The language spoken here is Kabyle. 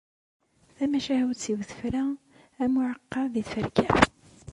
Tamacahut-iw tefra am uεeqqa di tferka.